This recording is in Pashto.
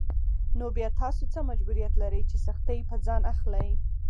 نو بيا تاسو څه مجبوريت لرئ چې سختۍ پر ځان اخلئ.